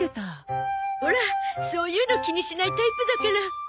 オラそういうの気にしないタイプだから。